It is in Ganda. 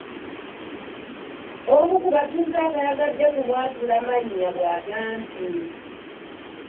Omu ku batuuze atayagadde kumwatula mannya bw’agambye.